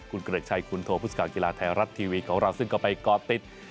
คุณเกรกชัยคุณโถพุศกาลกีฬาไทยรัฐทีวีเกาะราชซึ่งเข้าไปก่อติด